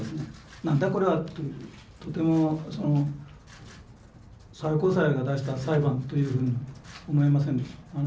「何だこれは」というとても最高裁が出した裁判というふうに思えませんでした。